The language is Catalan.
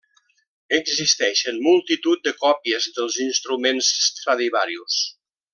Existeixen multitud de còpies dels instruments Stradivarius.